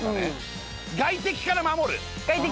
外敵から守る。